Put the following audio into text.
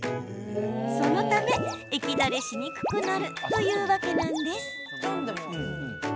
そのため、液垂れしにくくなるというわけなんです。